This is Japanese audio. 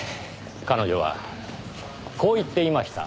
彼女はこう言っていました。